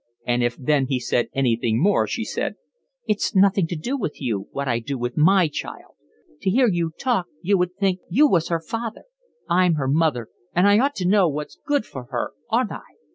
And if then he said anything more she said: "It's nothing to do with you what I do with my child. To hear you talk one would think you was her father. I'm her mother, and I ought to know what's good for her, oughtn't I?"